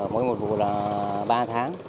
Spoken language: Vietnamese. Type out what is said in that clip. mỗi một vụ là ba tháng